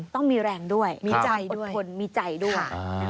ต้องมีแรงด้วยมีใจด้วยคนมีใจด้วย